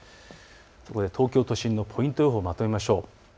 そこで東京都心のポイント予報をまとめましょう。